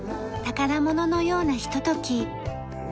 宝物のようなひととき。